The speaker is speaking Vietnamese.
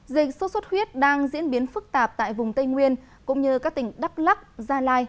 dịch sốt xuất huyết đang diễn biến phức tạp tại vùng tây nguyên cũng như các tỉnh đắk lắc gia lai